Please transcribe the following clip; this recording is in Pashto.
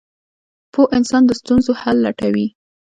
• پوه انسان د ستونزو حل لټوي.